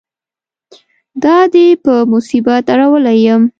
دا دې په مصیبت اړولی یم.